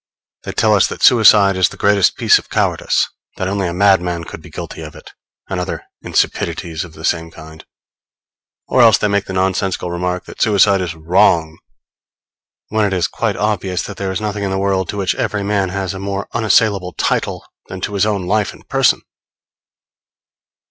They tell us that suicide is the greatest piece of cowardice; that only a madman could be guilty of it; and other insipidities of the same kind; or else they make the nonsensical remark that suicide is wrong; when it is quite obvious that there is nothing in the world to which every man has a more unassailable title than to his own life and person.